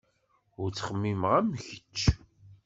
Ur ttxemmimeɣ am kečč.